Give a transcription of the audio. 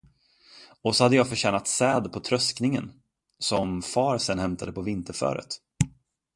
Och så hade jag förtjänat säd på tröskningen, som far sen hämtade på vinterföret.